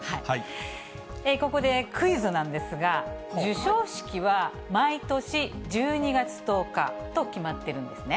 ここでクイズなんですが、授賞式は毎年１２月１０日と決まってるんですね。